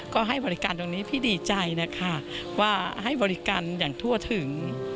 ก็ให้บริการตรงนี้พี่ดีใจนะคะว่าให้บริการอย่างทั่วถึง